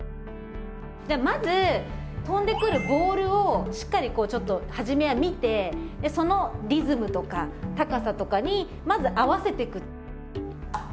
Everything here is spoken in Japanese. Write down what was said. じゃあまず飛んでくるボールをしっかりこうちょっと初めは見てそのリズムとか高さとかにまず合わせてく。